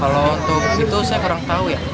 kalau untuk itu saya kurang tahu ya